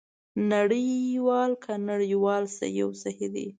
نړۍوال که نړیوال کوم یو صحي دی؟